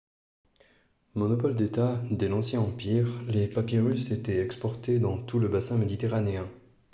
Monopole d'État dès l'Ancien Empire, les papyrus étaient exportés dans tout le bassin méditerranéen.